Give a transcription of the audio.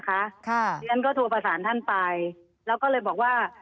เพราะฉะนั้นก็โทรประสานท่านไปแล้วก็เลยบอกว่า